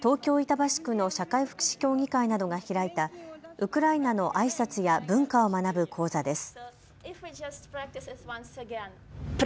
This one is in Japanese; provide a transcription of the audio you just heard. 板橋区の社会福祉協議会などが開いたウクライナのあいさつや文化を学ぶ講座です。